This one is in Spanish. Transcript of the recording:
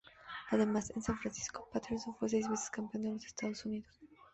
Además, en San Francisco, Patterson fue seis veces Campeón de los Estados Unidos.